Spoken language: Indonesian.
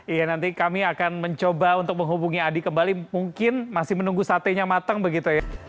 iya nanti kami akan mencoba untuk menghubungi adi kembali mungkin masih menunggu satenya matang begitu ya